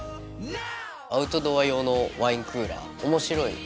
アウトドア用のワインクーラー面白い。